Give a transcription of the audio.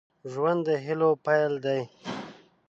ژوند د هيلو پيل دی